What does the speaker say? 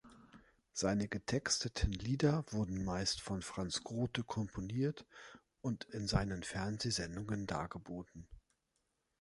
Seine getexteten Lieder wurden meist von Franz Grothe komponiert und in seinen Fernsehsendungen dargeboten.